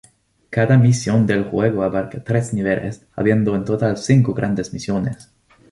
Cada misión del juego abarca tres niveles, habiendo en total cinco grandes misiones.